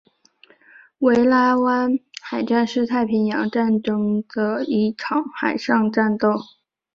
维拉湾海战是太平洋战争中的一场海上战斗。